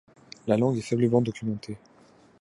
La langue est faiblement documentée.